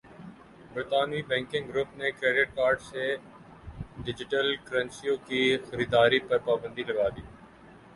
برطانوی banking group نے credit card سے ڈیجیٹل کرنسیوں کی خریداری پرپابندی لگادی